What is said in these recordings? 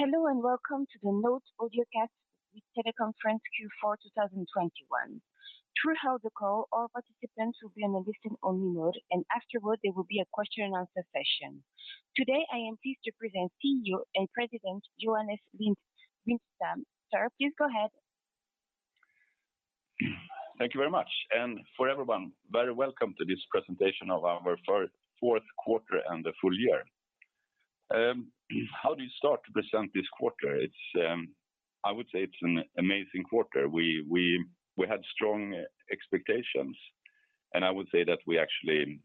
Hello, and welcome to the NOTE's Audiocast with Teleconference Q4 2021. Throughout the call, all participants will be on a listen-only mode, and afterward, there will be a question and answer session. Today, I am pleased to present CEO and President, Johannes Lind-Widestam. Sir, please go ahead. Thank you very much. For everyone, very welcome to this presentation of our fourth quarter and the full year. How do you start to present this quarter? I would say it's an amazing quarter. We had strong expectations, and I would say that we actually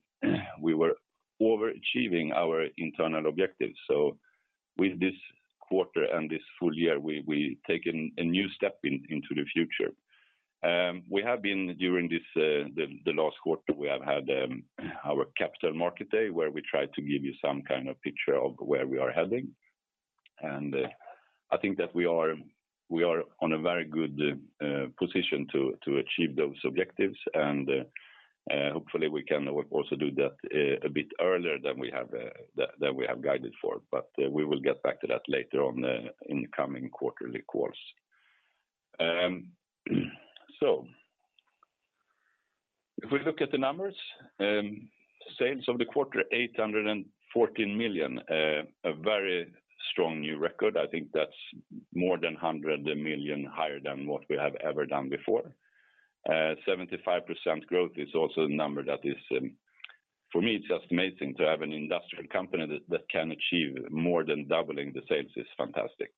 were overachieving our internal objectives. With this quarter and this full year, we take a new step into the future. During the last quarter, we have had our Capital Markets Day, where we try to give you some kind of picture of where we are heading. I think that we are on a very good position to achieve those objectives. Hopefully we can also do that a bit earlier than we have guided for. We will get back to that later on the incoming quarterly calls. If we look at the numbers, sales of the quarter, 814 million, a very strong new record. I think that's more than 100 million higher than what we have ever done before. 75% growth is also a number that is, for me, it's just amazing to have an industrial company that can achieve more than doubling the sales is fantastic.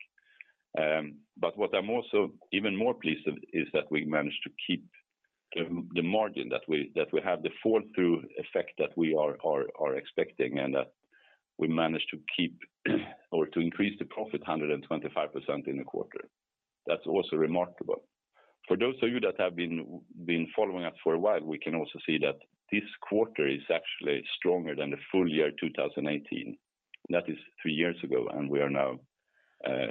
What I'm also even more pleased of is that we managed to keep the margin, that we have the flow-through effect that we are expecting, and that we managed to keep or to increase the profit 125% in the quarter. That's also remarkable. For those of you that have been following us for a while, we can also see that this quarter is actually stronger than the full year of 2018. That is three years ago, and we are now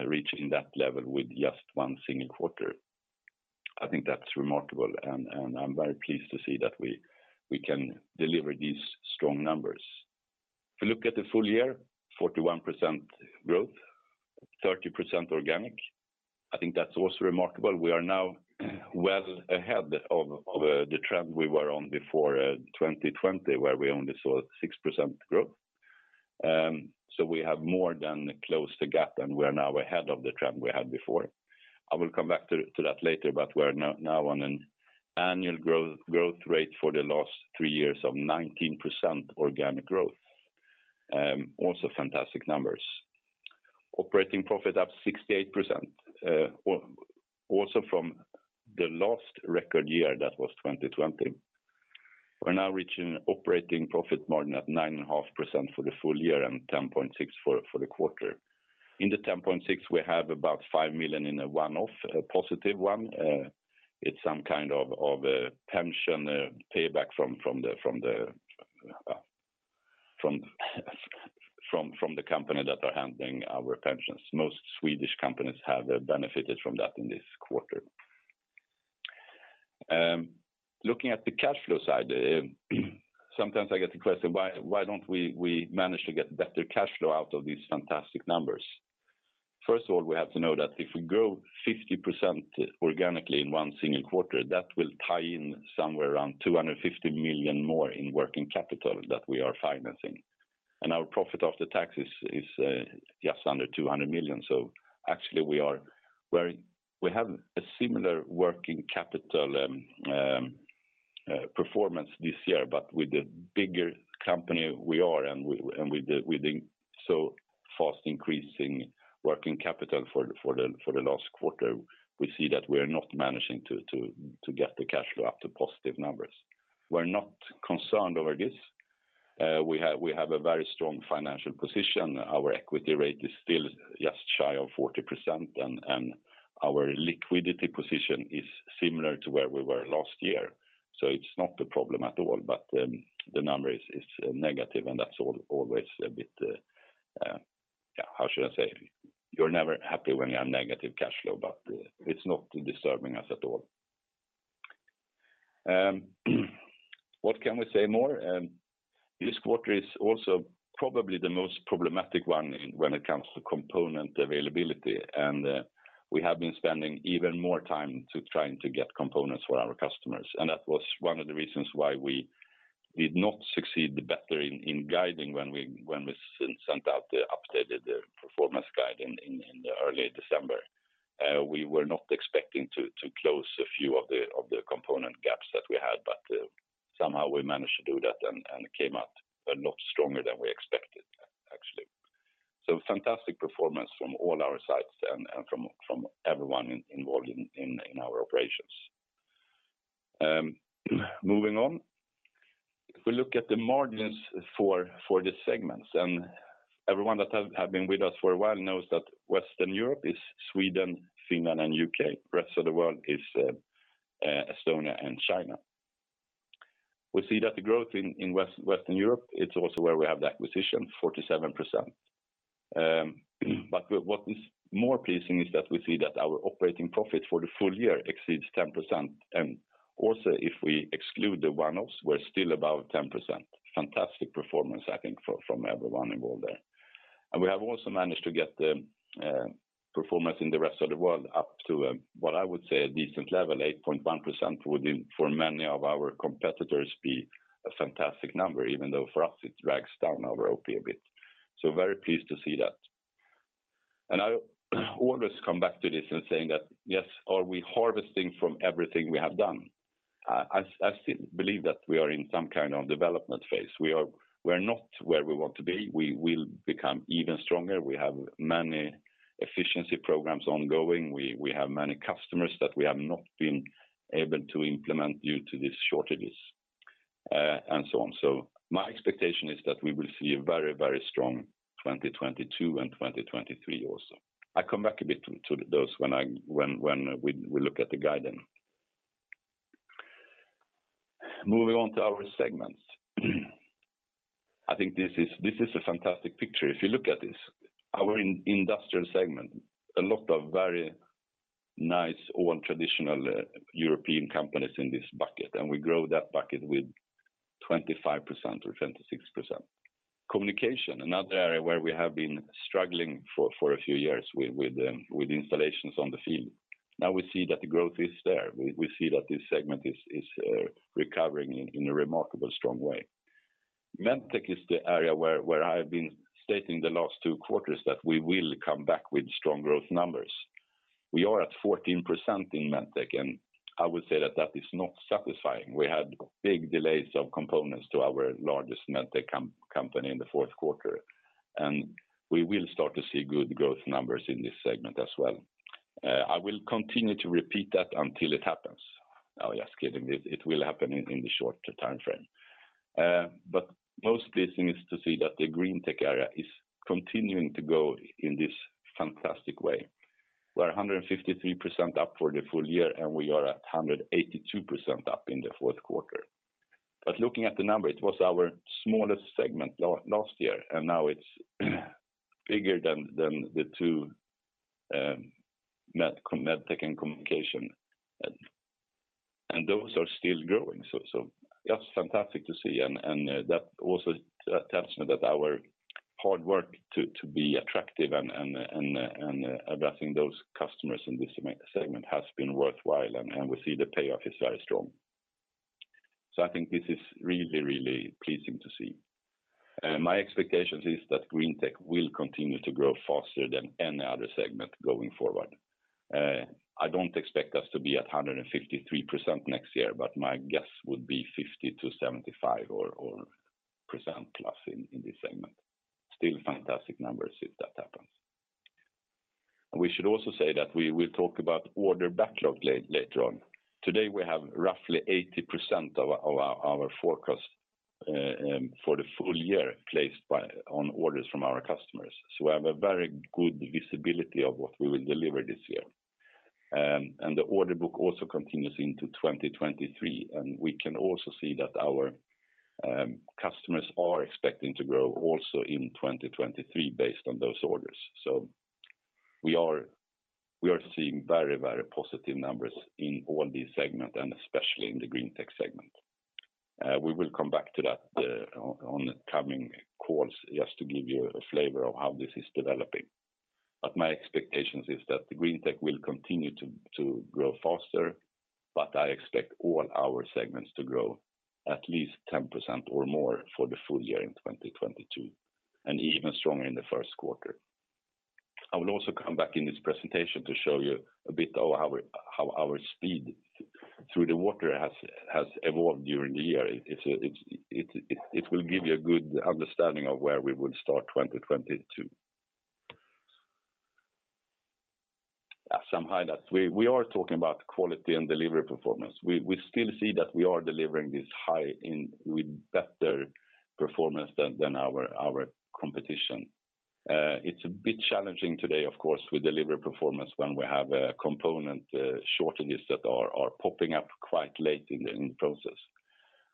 reaching that level with just one single quarter. I think that's remarkable, and I'm very pleased to see that we can deliver these strong numbers. If you look at the full year, 41% growth, 30% organic. I think that's also remarkable. We are now well ahead of the trend we were on before 2020, where we only saw 6% growth. We have more than closed the gap, and we're now ahead of the trend we had before. I will come back to that later, but we're now on an annual growth rate for the last three years of 19% organic growth. Also fantastic numbers. Operating profit up 68%, or also from the last record year, that was 2020. We're now reaching operating profit margin at 9.5% for the full year and 10.6% for the quarter. In the 10.6%, we have about 5 million in a one-off, a positive one. It's some kind of pension payback from the company that are handling our pensions. Most Swedish companies have benefited from that in this quarter. Looking at the cash flow side, sometimes I get the question, why don't we manage to get better cash flow out of these fantastic numbers? First of all, we have to know that if we grow 50% organically in one single quarter, that will tie in somewhere around 250 million more in working capital that we are financing. Our profit after taxes is just under 200 million. Actually, we have a similar working capital performance this year, but with the bigger company we are and with the so fast increasing working capital for the last quarter, we see that we are not managing to get the cash flow up to positive numbers. We're not concerned over this. We have a very strong financial position. Our equity rate is still just shy of 40% and our liquidity position is similar to where we were last year. It's not a problem at all, but the number is negative, and that's always a bit, how should I say? You're never happy when you have negative cash flow, but it's not disturbing us at all. What can we say more? This quarter is also probably the most problematic one when it comes to component availability, and we have been spending even more time to trying to get components for our customers. That was one of the reasons why we did not succeed better in guiding when we sent out the updated performance guide in early December. We were not expecting to close a few of the component gaps that we had, but somehow we managed to do that and came out a lot stronger than we expected, actually. Fantastic performance from all our sides and from everyone involved in our operations. Moving on. If we look at the margins for this segment, everyone that have been with us for a while knows that Western Europe is Sweden, Finland, and U.K. The rest of the world is Estonia and China. We see that the growth in Western Europe, it's also where we have the acquisition, 47%. What is more pleasing is that we see that our operating profit for the full year exceeds 10%. If we exclude the one-offs, we're still above 10%. Fantastic performance I think from everyone involved there. We have also managed to get the performance in the rest of the world up to what I would say a decent level. 8.1% would for many of our competitors be a fantastic number, even though for us it drags down our OP a bit. Very pleased to see that. I always come back to this in saying that, yes, are we harvesting from everything we have done? I still believe that we are in some kind of development phase. We are, we are not where we want to be, we will become even stronger. We have many efficiency programs ongoing. We have many customers that we have not been able to implement due to these shortages, and so on. My expectation is that we will see a very, very strong 2022 and 2023 also. I come back a bit to those when we look at the guidance. Moving on to our segments. I think this is a fantastic picture. If you look at this, our Industrial segment, a lot of very nice old traditional European companies in this bucket, and we grow that bucket with 25% or 26%. Communication, another area where we have been struggling for a few years with the installations on the field. Now we see that the growth is there. We see that this segment is recovering in a remarkably strong way. Medtech is the area where I've been stating the last two quarters that we will come back with strong growth numbers. We are at 14% in Medtech, and I would say that is not satisfying. We had big delays of components to our largest Medtech company in the fourth quarter, and we will start to see good growth numbers in this segment as well. I will continue to repeat that until it happens. Oh yes, kidding. It will happen in the short timeframe. Most pleasing is to see that the Greentech area is continuing to grow in this fantastic way. We are 153% up for the full year, and we are at 182% up in the fourth quarter. Looking at the number, it was our smallest segment last year, and now it's bigger than the two Medtech and Communication. Those are still growing. That's fantastic to see. that also tells me that our hard work to be attractive and addressing those customers in this segment has been worthwhile, and we see the payoff is very strong. I think this is really pleasing to see. My expectations is that Greentech will continue to grow faster than any other segment going forward. I don't expect us to be at 153% next year, but my guess would be 50%-75% or percent plus in this segment. Still fantastic numbers if that happens. We should also say that we will talk about order backlog later on. Today, we have roughly 80% of our forecast for the full year placed on orders from our customers. We have a very good visibility of what we will deliver this year. The order book also continues into 2023, and we can also see that our customers are expecting to grow also in 2023 based on those orders. We are seeing very, very positive numbers in all these segments, and especially in the Greentech segment. We will come back to that on the coming calls just to give you a flavor of how this is developing. My expectations is that the Greentech will continue to grow faster, but I expect all our segments to grow at least 10% or more for the full year in 2022, and even stronger in the first quarter. I will also come back in this presentation to show you a bit of how our speed through the water has evolved during the year. It will give you a good understanding of where we will start 2022. At some highlights. We are talking about quality and delivery performance. We still see that we are delivering this high end with better performance than our competition. It's a bit challenging today, of course, with delivery performance when we have component shortages that are popping up quite late in the process.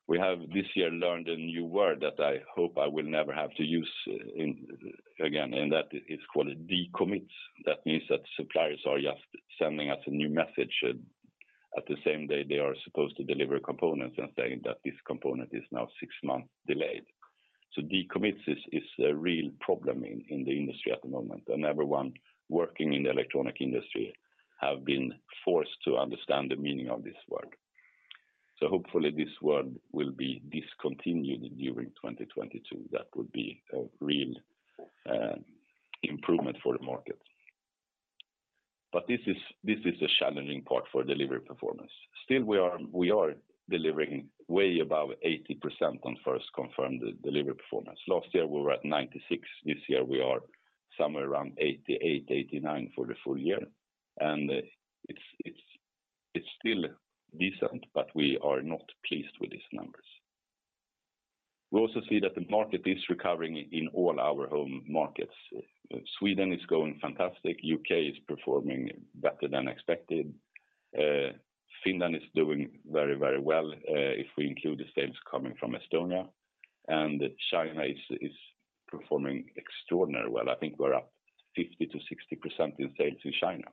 We have this year learned a new word that I hope I will never have to use again, and that is called decommit. That means that suppliers are just sending us a new message at the same day they are supposed to deliver components and saying that this component is now six months delayed. Decommit is a real problem in the industry at the moment, and everyone working in the electronics industry have been forced to understand the meaning of this word. Hopefully this word will be discontinued during 2022. That would be a real improvement for the market. This is a challenging part for delivery performance. Still we are delivering way above 80% on first confirmed delivery performance. Last year, we were at 96%. This year, we are somewhere around 88%-89% for the full year. It's still decent, but we are not pleased with these numbers. We also see that the market is recovering in all our home markets. Sweden is going fantastic. U.K. is performing better than expected. Finland is doing very, very well, if we include the sales coming from Estonia. China is performing extraordinarily well. I think we're up 50%-60% in sales to China.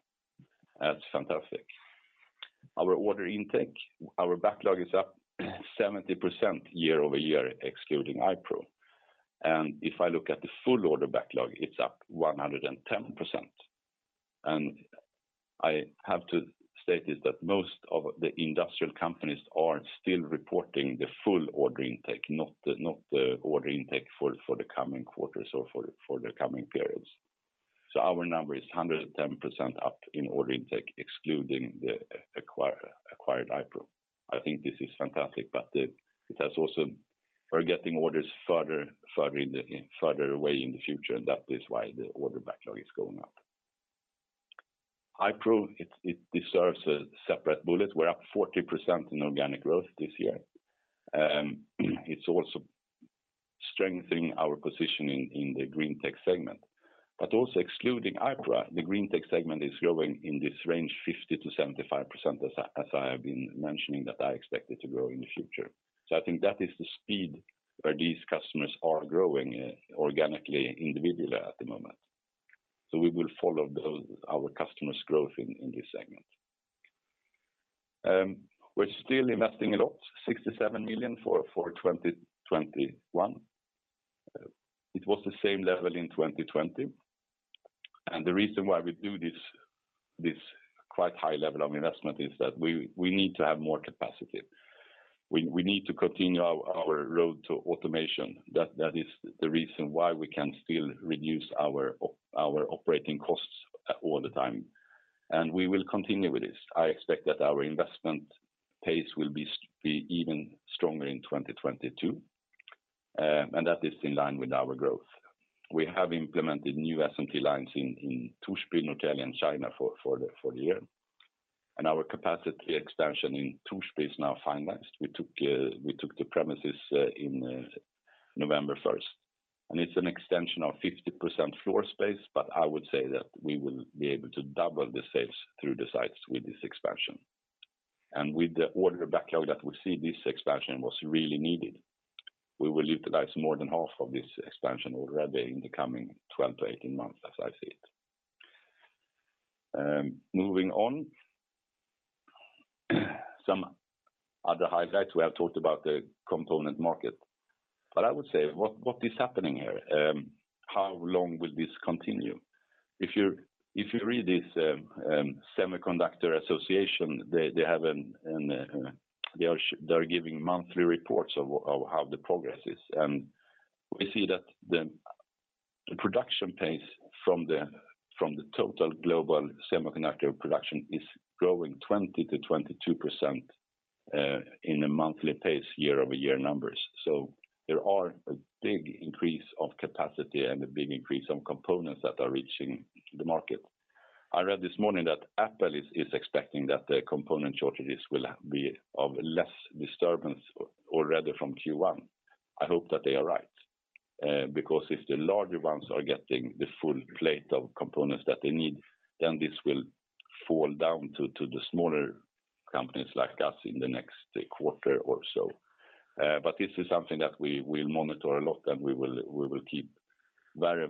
That's fantastic. Our order intake, our backlog is up 70% year-over-year excluding iPRO. If I look at the full order backlog, it's up 110%. I have to state that most of the industrial companies are still reporting the full order intake, not the order intake for the coming quarters or for the coming periods. Our number is 110% up in order intake excluding the acquired iPRO. I think this is fantastic, but it has also, we're getting orders further away in the future, and that is why the order backlog is going up. iPRO, it deserves a separate bullet. We're up 40% in organic growth this year. It's also strengthening our position in the Greentech segment. Also excluding iPRO, the Greentech segment is growing in this range 50%-75% as I have been mentioning that I expect it to grow in the future. I think that is the speed where these customers are growing organically individually at the moment. We will follow our customers' growth in this segment. We're still investing a lot, 67 million for 2021. It was the same level in 2020. The reason why we do this quite high level of investment is that we need to have more capacity. We need to continue our road to automation. That is the reason why we can still reduce our operating costs all the time. We will continue with this. I expect that our investment pace will be even stronger in 2022, and that is in line with our growth. We have implemented new SMT lines in Torsby, Norrtälje, and China for the year. Our capacity expansion in Torsby is now finalized. We took the premises in November 1st. It's an extension of 50% floor space, but I would say that we will be able to double the sales through the sites with this expansion. With the order backlog that we see, this expansion was really needed. We will utilize more than half of this expansion already in the coming 12 to 18 months as I see it. Moving on. Some other highlights. We have talked about the component market. I would say, what is happening here? How long will this continue? If you read this, Semiconductor Industry Association, they have an they are giving monthly reports of how the progress is. We see that the production pace from the total global semiconductor production is growing 20%-22% in a monthly pace year over year numbers. There are a big increase of capacity and a big increase of components that are reaching the market. I read this morning that Apple is expecting that the component shortages will be of less disturbance already from Q1. I hope that they are right. Because if the larger ones are getting the full plate of components that they need, then this will fall down to the smaller companies like us in the next quarter or so. But this is something that we will monitor a lot, and we will keep very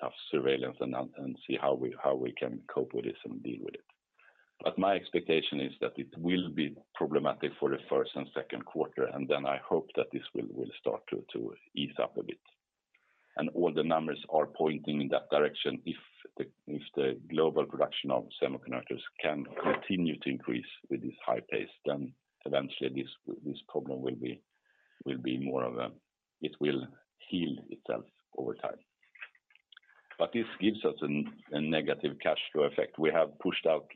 tough surveillance and see how we can cope with this and deal with it. My expectation is that it will be problematic for the first and second quarter, and then I hope that this will start to ease up a bit. All the numbers are pointing in that direction. If the global production of semiconductors can continue to increase with this high pace, then eventually this problem will be more of a it will heal itself over time. This gives us a negative cash flow effect. We have pushed out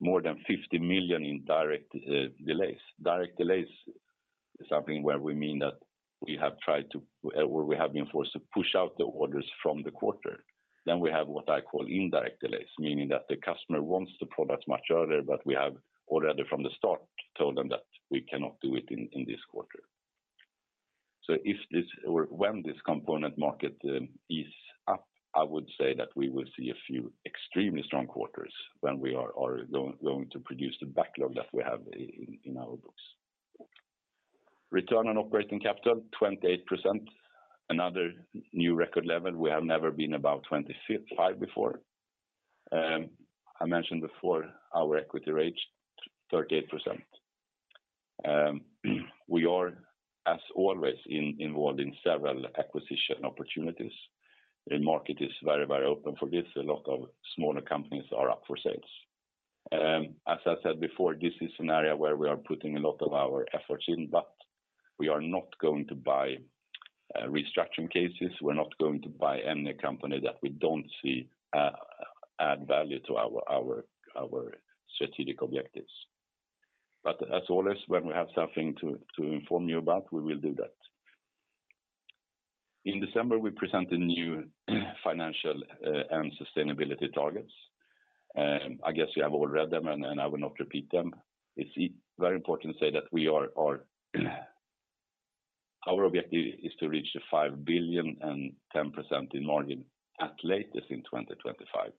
more than 50 million in direct delays. Direct delays is something where we mean that we have been forced to push out the orders from the quarter. We have what I call indirect delays, meaning that the customer wants the product much earlier, but we have already from the start told them that we cannot do it in this quarter. If this or when this component market ease up, I would say that we will see a few extremely strong quarters when we are going to produce the backlog that we have in our books. Return on operating capital, 28%. Another new record level. We have never been above 25 before. I mentioned before our equity rate, 38%. We are as always involved in several acquisition opportunities. The market is very, very open for this. A lot of smaller companies are up for sales. As I said before, this is an area where we are putting a lot of our efforts in, but we are not going to buy restructuring cases. We're not going to buy any company that we don't see add value to our strategic objectives. As always, when we have something to inform you about, we will do that. In December, we presented new financial and sustainability targets. I guess you have all read them, and I will not repeat them. It's very important to say that we are. Our objective is to reach 5 billion and 10% in margin at latest in 2025.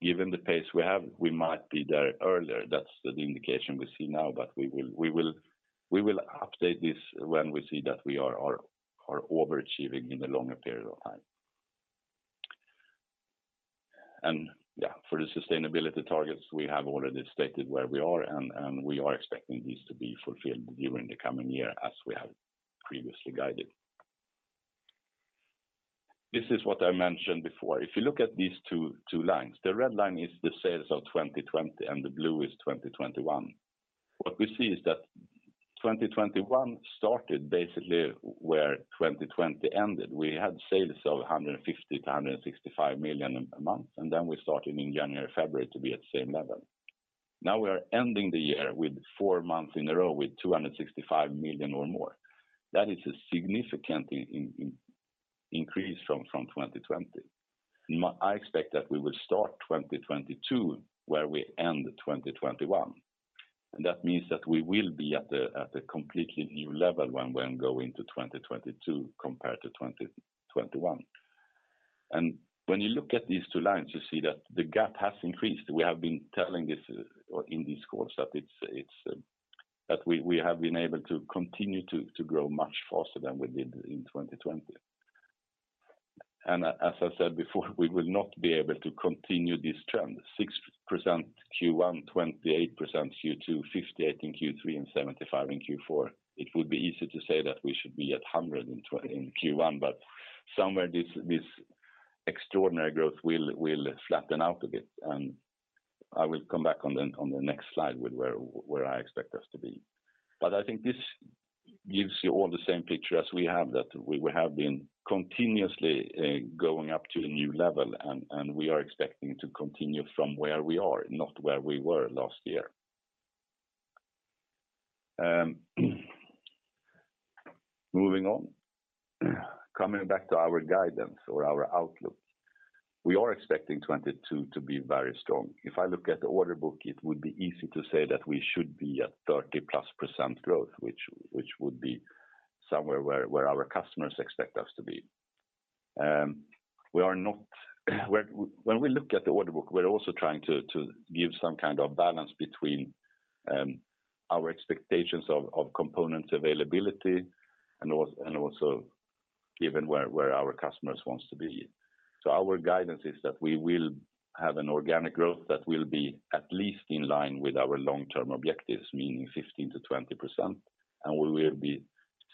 Given the pace we have, we might be there earlier. That's the indication we see now, but we will update this when we see that we are overachieving in the longer period of time. Yeah, for the sustainability targets, we have already stated where we are and we are expecting these to be fulfilled during the coming year as we have previously guided. This is what I mentioned before. If you look at these two lines, the red line is the sales of 2020 and the blue is 2021. What we see is that 2021 started basically where 2020 ended. We had sales of 150 million-165 million a month, and then we started in January, February to be at the same level. Now we are ending the year with four months in a row with 265 million or more. That is a significant increase from 2020. I expect that we will start 2022 where we end 2021. That means that we will be at a completely new level when we go into 2022 compared to 2021. When you look at these two lines, you see that the gap has increased. We have been telling this in this course that it's that we have been able to continue to grow much faster than we did in 2020. As I said before, we will not be able to continue this trend. 6% Q1, 28% Q2, 58% in Q3, and 75% in Q4. It would be easy to say that we should be at 100% in Q1, but somewhere this extraordinary growth will flatten out a bit. I will come back on the next slide with where I expect us to be. I think this gives you all the same picture as we have that we will have been continuously going up to a new level and we are expecting to continue from where we are, not where we were last year. Moving on. Coming back to our guidance or our outlook. We are expecting 2022 to be very strong. If I look at the order book, it would be easy to say that we should be at 30%+ growth, which would be somewhere where our customers expect us to be. When we look at the order book, we're also trying to give some kind of balance between our expectations of components availability and also given where our customers want to be. Our guidance is that we will have an organic growth that will be at least in line with our long-term objectives, meaning 15%-20%, and we will be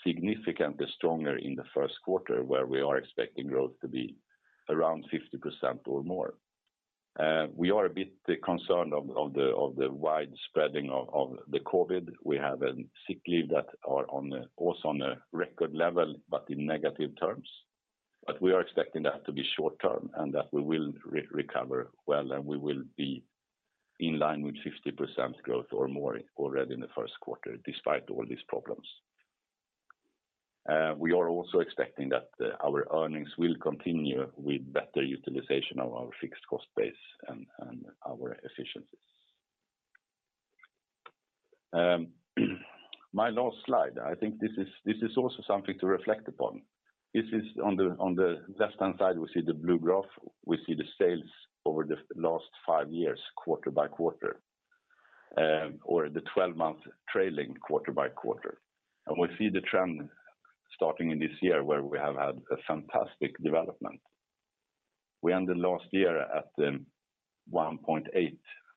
significantly stronger in the first quarter where we are expecting growth to be around 50% or more. We are a bit concerned of the widespread of the COVID. We have a sick leave that are on the also on a record level, but in negative terms. We are expecting that to be short-term and that we will recover well, and we will be in line with 50% growth or more already in the first quarter despite all these problems. We are also expecting that our earnings will continue with better utilization of our fixed cost base and our efficiencies. My last slide. I think this is also something to reflect upon. This is on the left-hand side, we see the blue graph. We see the sales over the last five years, quarter by quarter, or the 12-month trailing quarter by quarter. We see the trend starting in this year where we have had a fantastic development. We ended last year at 1.8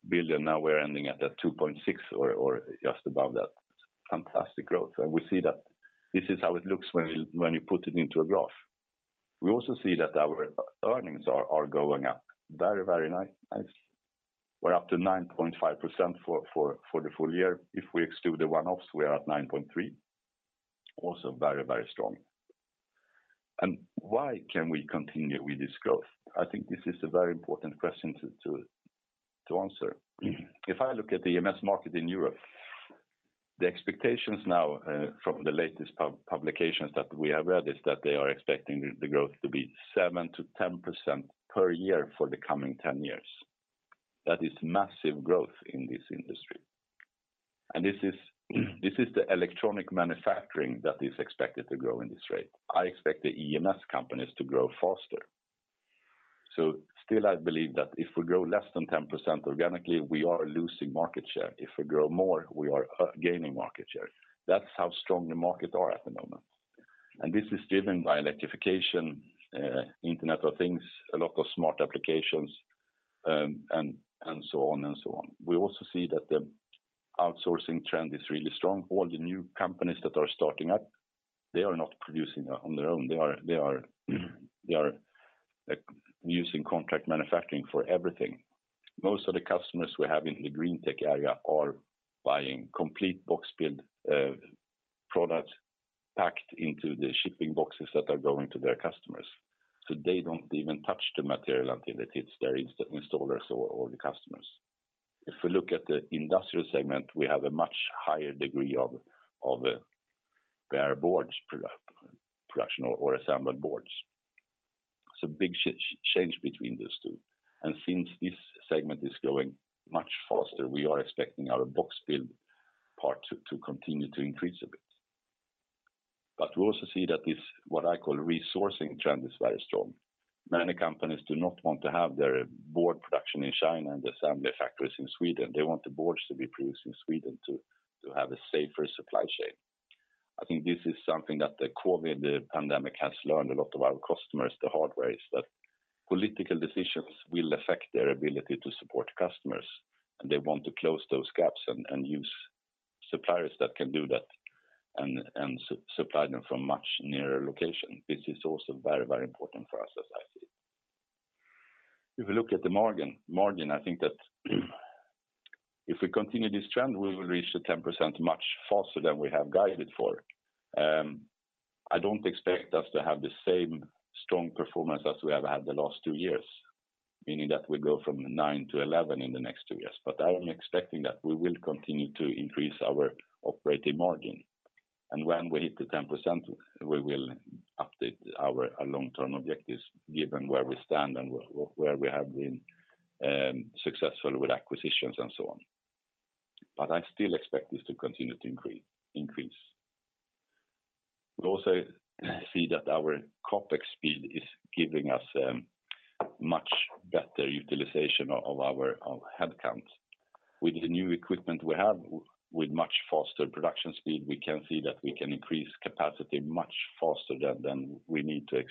billion. Now we're ending at 2.6 billion or just above that fantastic growth. We see that this is how it looks when you put it into a graph. We also see that our earnings are going up very nice. We're up to 9.5% for the full year. If we exclude the one-offs, we're at 9.3%, also very strong. Why can we continue with this growth? I think this is a very important question to answer. If I look at the EMS market in Europe, the expectations now from the latest publications that we have read is that they are expecting the growth to be 7%-10% per year for the coming 10 years. That is massive growth in this industry. This is the electronic manufacturing that is expected to grow in this rate. I expect the EMS companies to grow faster. Still, I believe that if we grow less than 10% organically, we are losing market share. If we grow more, we are gaining market share. That's how strong the market are at the moment. This is driven by electrification, Internet of Things, a lot of smart applications, and so on and so on. We also see that the outsourcing trend is really strong. All the new companies that are starting up, they are not producing on their own. They are like using contract manufacturing for everything. Most of the customers we have in the Greentech area are buying complete box build products packed into the shipping boxes that are going to their customers. So they don't even touch the material until it hits their installers or the customers. If we look at the industrial segment, we have a much higher degree of bare boards production or assembled boards. It's a big change between these two. Since this segment is going much faster, we are expecting our box build part to continue to increase. We also see that this, what I call reshoring trend is very strong. Many companies do not want to have their board production in China and the assembly factories in Sweden. They want the boards to be produced in Sweden to have a safer supply chain. I think this is something that the COVID pandemic has learned a lot of our customers, the hard way, is that political decisions will affect their ability to support customers, and they want to close those gaps and use suppliers that can do that and supply them from much nearer location. This is also very important for us as I see it. If you look at the margin, I think that if we continue this trend, we will reach the 10% much faster than we have guided for. I don't expect us to have the same strong performance as we have had the last two years, meaning that we go from 9%-11% in the next two years. I'm expecting that we will continue to increase our operating margin. When we hit the 10%, we will update our long-term objectives given where we stand and where we have been, successful with acquisitions and so on. I still expect this to continue to increase. We also see that our CapEx speed is giving us, much better utilization of our headcounts. With the new equipment we have with much faster production speed, we can see that we can increase capacity much faster than we need to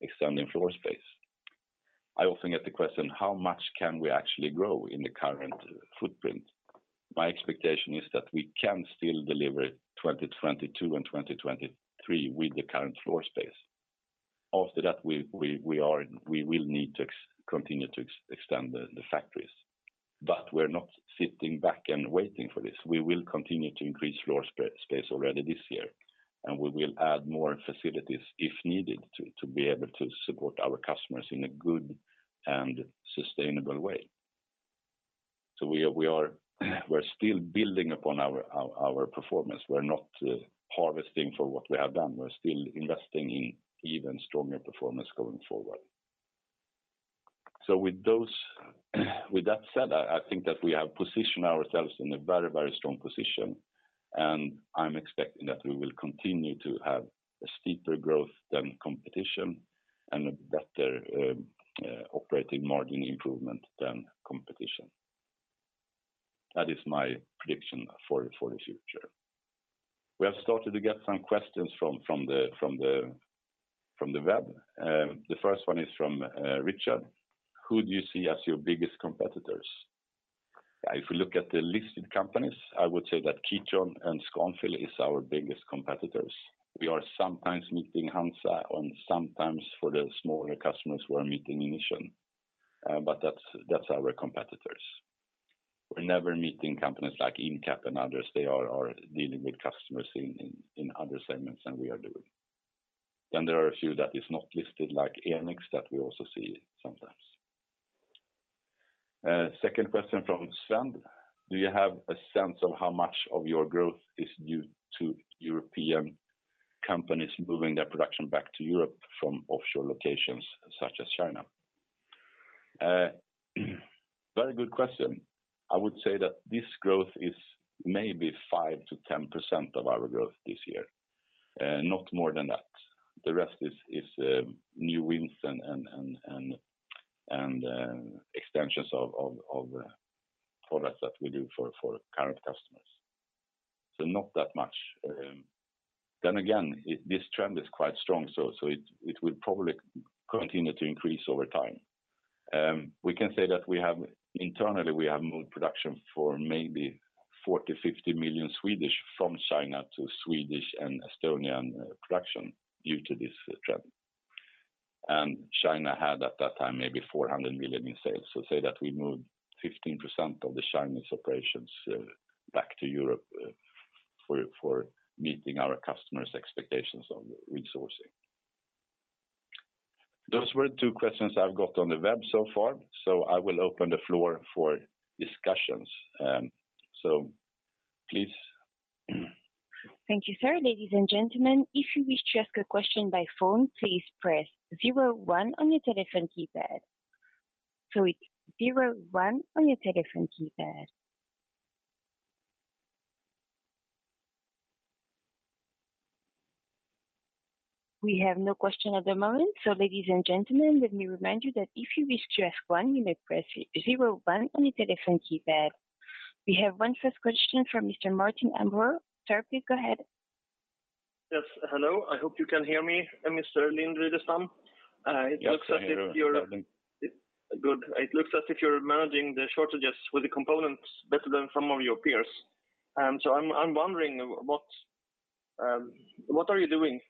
extending floor space. I often get the question, how much can we actually grow in the current footprint? My expectation is that we can still deliver 2022 and 2023 with the current floor space. After that, we will need to continue to extend the factories. We're not sitting back and waiting for this. We will continue to increase floor space already this year, and we will add more facilities if needed to be able to support our customers in a good and sustainable way. We're still building upon our performance. We're not harvesting for what we have done. We're still investing in even stronger performance going forward. With that said, I think that we have positioned ourselves in a very, very strong position, and I'm expecting that we will continue to have a steeper growth than competition and a better operating margin improvement than competition. That is my prediction for the future. We have started to get some questions from the web. The first one is from Richard. Who do you see as your biggest competitors? If you look at the listed companies, I would say that Kitron and Scanfil is our biggest competitors. We are sometimes meeting HANZA, and sometimes for the smaller customers, we're meeting Inission. But that's our competitors. We're never meeting companies like Incap and others. They are dealing with customers in other segments than we are doing. There are a few that is not listed like Enics that we also see sometimes. Second question from Sven. Do you have a sense of how much of your growth is due to European companies moving their production back to Europe from offshore locations such as China? Very good question. I would say that this growth is maybe 5%-10% of our growth this year, not more than that. The rest is new wins and extensions of products that we do for current customers. Not that much. Again, this trend is quite strong, so it will probably continue to increase over time. We can say that we have internally moved production for maybe 40 million-50 million from China to Swedish and Estonian production due to this trend. China had at that time maybe 400 million in sales. Say that we moved 15% of the Chinese operations back to Europe for meeting our customers' expectations on reshoring. Those were two questions I've got on the web so far. I will open the floor for discussions. Please. Thank you, sir. Ladies and gentlemen, if you wish to ask a question by phone, please press zero one on your telephone keypad. It's zero one on your telephone keypad. We have no question at the moment. Ladies and gentlemen, let me remind you that if you wish to ask one, you may press zero one on your telephone keypad. We have one first question from Mr. Martin Åberg. Sir, please go ahead. Yes. Hello. I hope you can hear me, Mr. Lind-Widestam. Yes, I hear you. It looks as if you're- Perfect. Good. It looks as if you're managing the shortages with the components better than some of your peers. I'm wondering what you are doing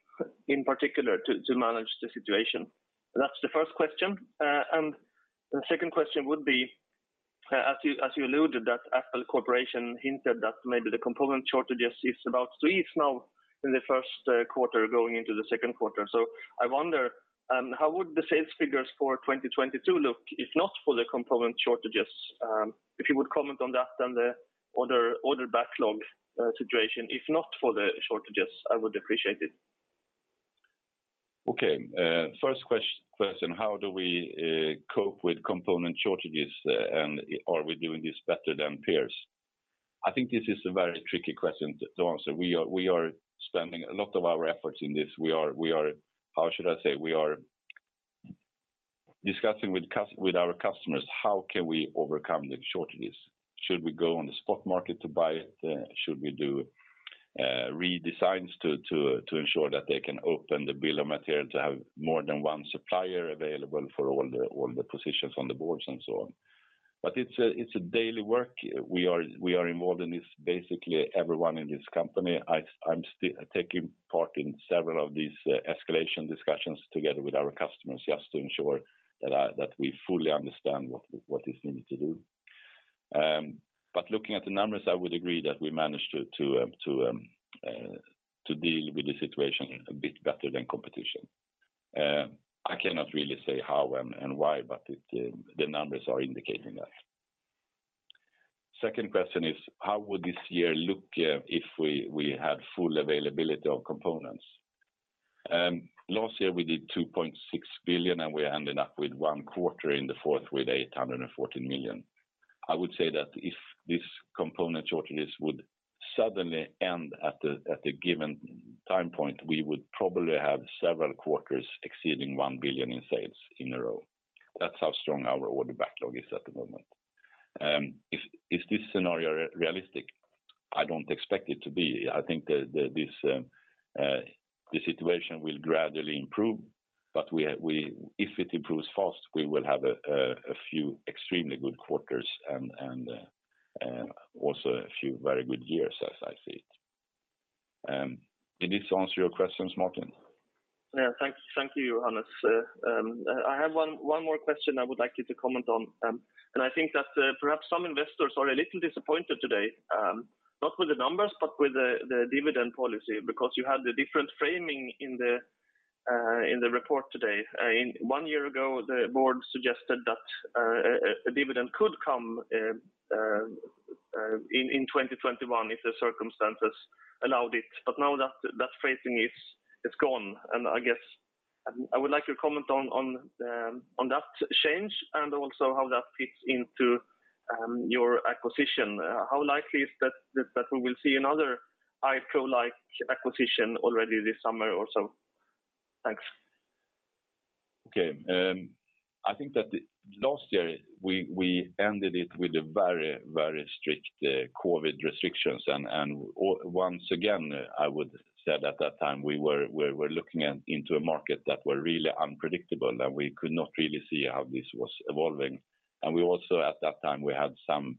in particular to manage the situation. That's the first question. The second question would be, as you alluded that Apple hinted that maybe the component shortages is about to ease now in the first quarter going into the second quarter. I wonder how the sales figures for 2022 look if not for the component shortages. If you would comment on that then the order backlog situation, if not for the shortages, I would appreciate it. Okay, first question, how do we cope with component shortages and are we doing this better than peers? I think this is a very tricky question to answer. We are spending a lot of our efforts in this. How should I say? We are discussing with our customers, how can we overcome the shortages? Should we go on the spot market to buy it? Should we do redesigns to ensure that they can open the bill of material to have more than one supplier available for all the positions on the boards and so on. It's a daily work. We are involved in this basically everyone in this company. I'm still taking part in several of these escalation discussions together with our customers just to ensure that we fully understand what is needed to do. Looking at the numbers, I would agree that we managed to deal with the situation a bit better than competition. I cannot really say how and why, but it, the numbers are indicating that. Second question is, how would this year look if we had full availability of components? Last year we did 2.6 billion, and we ended up with one quarter in the fourth with 814 million. I would say that if this component shortages would suddenly end at a given time point, we would probably have several quarters exceeding 1 billion in sales in a row. That's how strong our order backlog is at the moment. Is this scenario realistic? I don't expect it to be. I think the situation will gradually improve. If it improves fast, we will have a few extremely good quarters and also a few very good years as I see it. Did this answer your questions, Martin? Thank you, Johannes. I have one more question I would like you to comment on. I think that perhaps some investors are a little disappointed today, not with the numbers, but with the dividend policy because you had the different framing in the report today. In one year ago, the board suggested that a dividend could come in 2021 if the circumstances allowed it. Now that framing is gone. I guess I would like you to comment on that change and also how that fits into your acquisition. How likely is that we will see another iPRO-like acquisition already this summer or so? Thanks. Okay. I think that last year, we ended it with a very strict COVID restrictions. Once again, I would said at that time, we were looking into a market that were really unpredictable, and we could not really see how this was evolving. We also at that time had some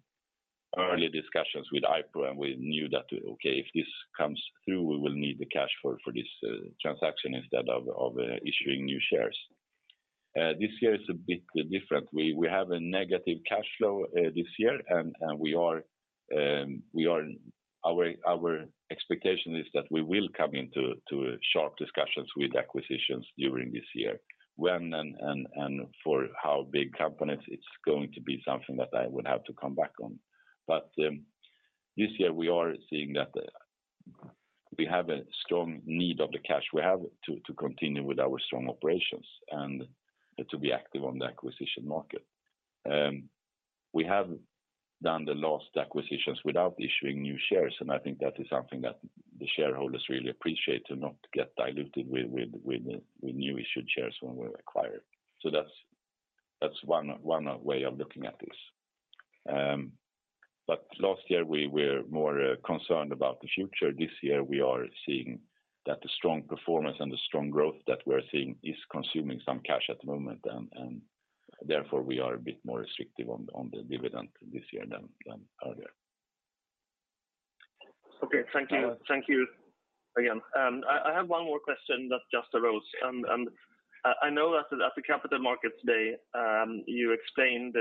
early discussions with iPRO, and we knew that, okay, if this comes through, we will need the cash for this transaction instead of issuing new shares. This year is a bit different. We have a negative cash flow this year, and our expectation is that we will come into start discussions with acquisitions during this year. When and for how big companies, it's going to be something that I would have to come back on. This year, we are seeing that we have a strong need of the cash. We have to continue with our strong operations and to be active on the acquisition market. We have done the last acquisitions without issuing new shares, and I think that is something that the shareholders really appreciate to not get diluted with new issued shares when we acquire. That's one way of looking at this. Last year, we were more concerned about the future. This year, we are seeing that the strong performance and the strong growth that we're seeing is consuming some cash at the moment, and therefore we are a bit more restrictive on the dividend this year than earlier. Okay. Thank you. Uh. Thank you again. I have one more question that just arose. I know that at the Capital Markets Day, you explained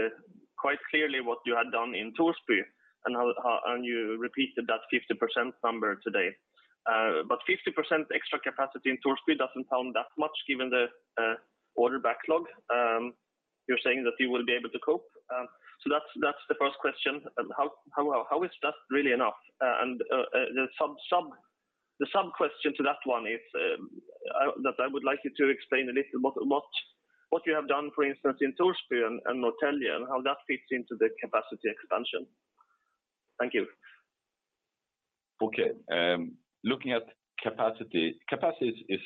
quite clearly what you had done in Torsby. Now, you repeated that 50% number today. But 50% extra capacity in Torsby doesn't sound that much given the order backlog. You're saying that you will be able to cope. So that's the first question. How is that really enough? And the sub-question to that one is that I would like you to explain a little what you have done, for instance, in Torsby and Norrtälje, and how that fits into the capacity expansion. Thank you. Okay. Looking at capacity is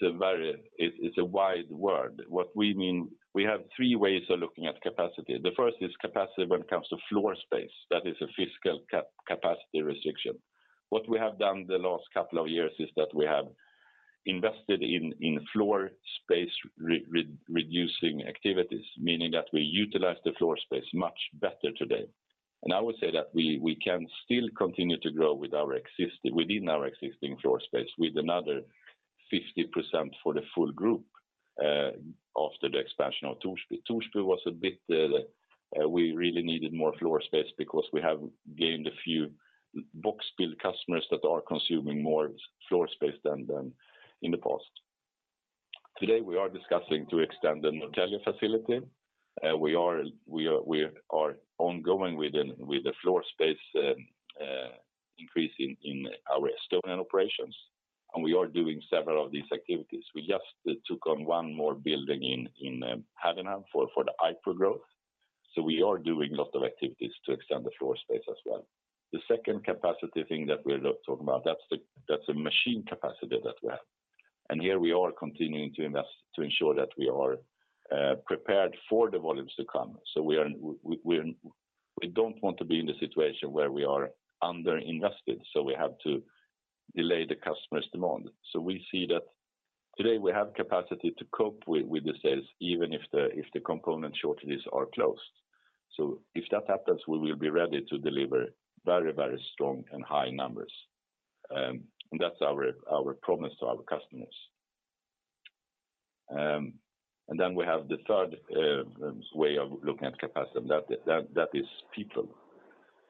a wide word. What we mean, we have three ways of looking at capacity. The first is capacity when it comes to floor space. That is a physical capacity restriction. What we have done the last couple of years is that we have invested in floor space reducing activities, meaning that we utilize the floor space much better today. I would say that we can still continue to grow within our existing floor space with another 50% for the full group, after the expansion of Torsby. Torsby was a bit, we really needed more floor space because we have gained a few box build customers that are consuming more floor space than in the past. Today, we are discussing to extend the Norrtälje facility. We are ongoing with the floor space increase in our Stønen operations, and we are doing several of these activities. We just took on one more building in Haguenau for the iPRO growth. We are doing a lot of activities to extend the floor space as well. The second capacity thing that we're talking about, that's the machine capacity that we have. Here we are continuing to invest to ensure that we are prepared for the volumes to come. We don't want to be in the situation where we are under-invested, so we have to delay the customer's demand. We see that today we have capacity to cope with the sales, even if the component shortages are closed. If that happens, we will be ready to deliver very, very strong and high numbers. And that's our promise to our customers. And then we have the third way of looking at capacity, that is people.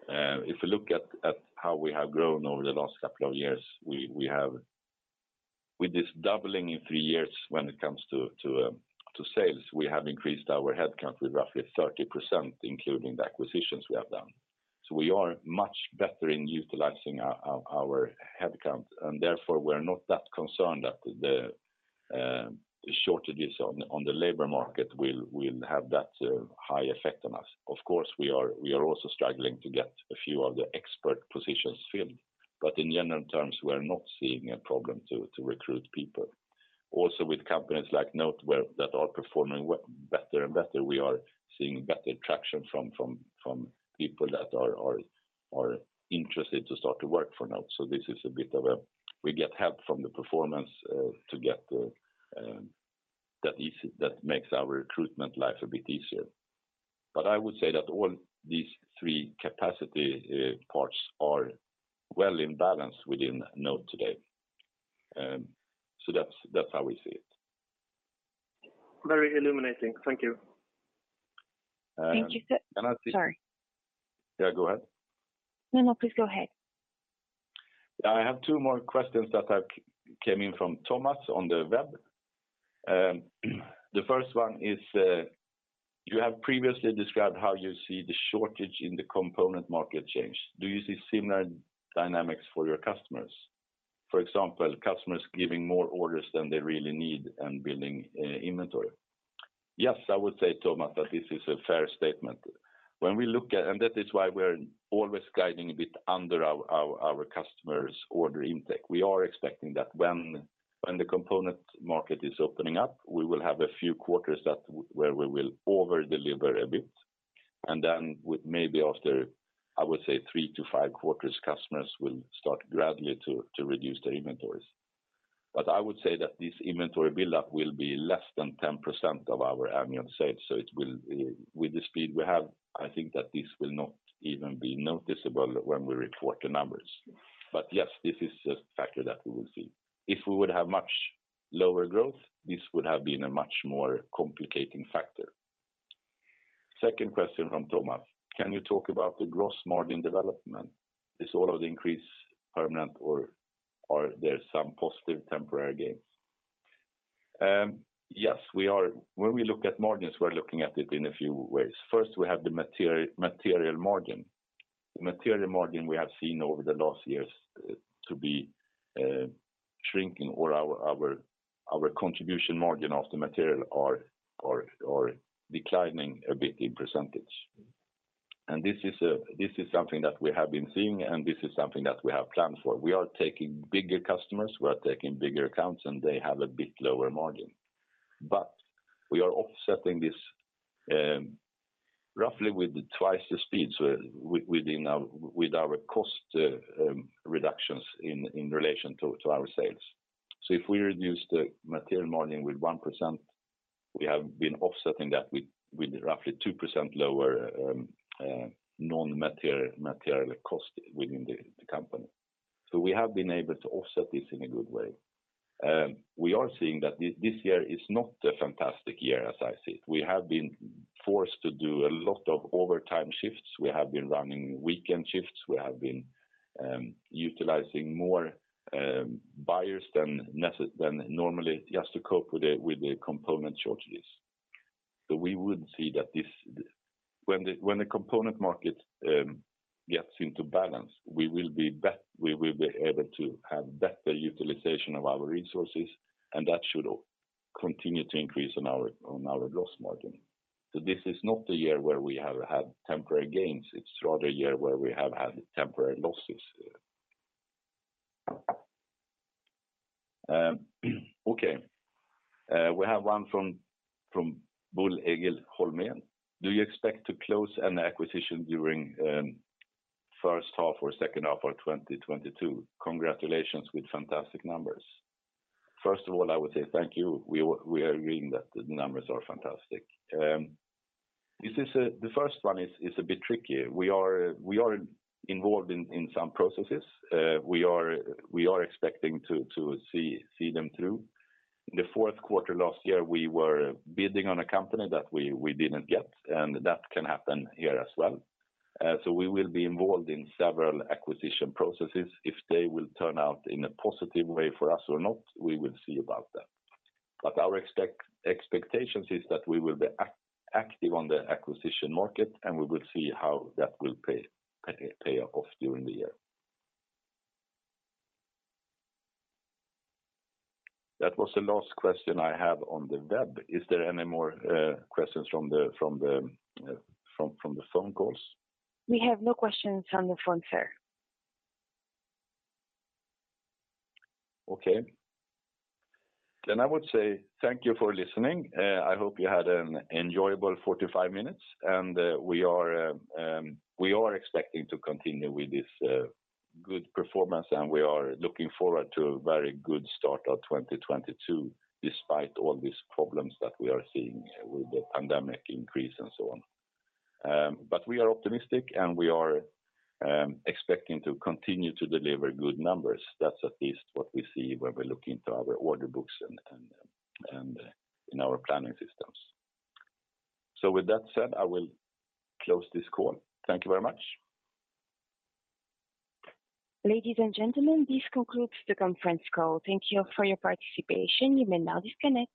If you look at how we have grown over the last couple of years with this doubling in three years when it comes to sales, we have increased our headcount with roughly 30%, including the acquisitions we have done. We are much better in utilizing our headcount, and therefore, we're not that concerned that the shortages on the labor market will have that high effect on us. Of course, we are also struggling to get a few of the expert positions filled. In general terms, we're not seeing a problem to recruit people. Also, with companies like NOTE that are performing better and better, we are seeing better traction from people that are interested to start to work for NOTE. This is a bit of a. We get help from the performance that makes our recruitment life a bit easier. I would say that all these three capacity parts are well in balance within NOTE today. That's how we see it. Very illuminating. Thank you. Uh. Thank you, sir. I see. Sorry. Yeah, go ahead. No, no, please go ahead. I have two more questions that have come in from Thomas on the web. The first one is, you have previously described how you see the shortage in the component market change. Do you see similar dynamics for your customers? For example, customers giving more orders than they really need and building inventory. Yes, I would say, Thomas, that this is a fair statement. That is why we're always guiding a bit under our customers' order intake. We are expecting that when the component market is opening up, we will have a few quarters where we will over-deliver a bit. Then with maybe after, I would say three to five quarters, customers will start gradually to reduce their inventories. I would say that this inventory buildup will be less than 10% of our annual sales. It will with the speed we have, I think that this will not even be noticeable when we report the numbers. Yes, this is a factor that we will see. If we would have much lower growth, this would have been a much more complicating factor. Second question from Thomas, can you talk about the gross margin development? Is all of the increase permanent or there's some positive temporary gains? When we look at margins, we're looking at it in a few ways. First, we have the material margin. The material margin we have seen over the last years to be shrinking or our contribution margin of the material are declining a bit in percentage. This is something that we have been seeing, and this is something that we have planned for. We are taking bigger customers, we are taking bigger accounts, and they have a bit lower margin. We are offsetting this roughly with twice the speed so within our cost reductions in relation to our sales. If we reduce the material margin with 1%, we have been offsetting that with roughly 2% lower non-material material cost within the company. We have been able to offset this in a good way. We are seeing that this year is not a fantastic year as I see it. We have been forced to do a lot of overtime shifts. We have been running weekend shifts. We have been utilizing more buyers than normally just to cope with the component shortages. We would see that when the component market gets into balance, we will be able to have better utilization of our resources, and that should continue to increase on our gross margin. This is not the year where we have had temporary gains. It's rather a year where we have had temporary losses. We have one from Bård Egil Holmen. Do you expect to close an acquisition during first half or second half of 2022? Congratulations with fantastic numbers. First of all, I would say thank you. We are agreeing that the numbers are fantastic. This is the first one, a bit trickier. We are involved in some processes. We are expecting to see them through. In the fourth quarter last year, we were bidding on a company that we didn't get, and that can happen here as well. We will be involved in several acquisition processes. If they will turn out in a positive way for us or not, we will see about that. Our expectations is that we will be active on the acquisition market, and we will see how that will pay off during the year. That was the last question I have on the web. Is there any more questions from the phone calls? We have no questions on the phone, sir. Okay. I would say thank you for listening. I hope you had an enjoyable 45 minutes. We are expecting to continue with this good performance, and we are looking forward to a very good start of 2022, despite all these problems that we are seeing with the pandemic increase and so on. We are optimistic, and we are expecting to continue to deliver good numbers. That's at least what we see when we look into our order books and in our planning systems. With that said, I will close this call. Thank you very much. Ladies and gentlemen, this concludes the conference call. Thank you for your participation. You may now disconnect.